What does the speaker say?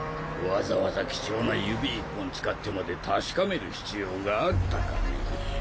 わざわざ貴重な指１本使ってまで確かめる必要があったかね？